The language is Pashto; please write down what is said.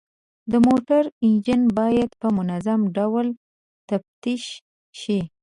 د موټرو انجن باید په منظم ډول تفتیش شي.